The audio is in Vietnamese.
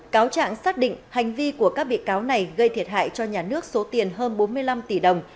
cáo trạng xác định hành vi của các bị cáo này gây thiệt hại cho nhà nước số tiền hơn bốn mươi năm tỷ đồng